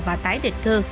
và tái địch cư